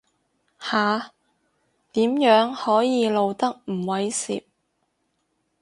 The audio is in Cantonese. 下，點樣可以露得唔猥褻